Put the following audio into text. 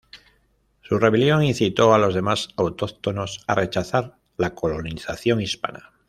Su rebelión incitó a los demás autóctonos a rechazar la colonización hispana.